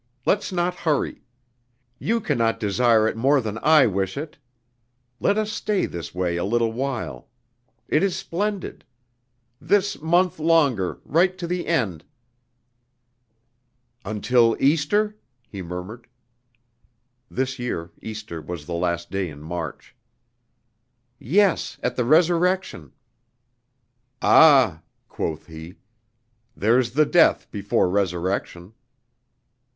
Let's not hurry. You can not desire it more than I wish it!... Let us stay this way a little while.... It is splendid!... This month longer, right to the end!..." "Until Easter?" he murmured. (This year Easter was the last day in March.) "Yes, at the Resurrection." "Ah," quoth he, "there's the Death before Resurrection."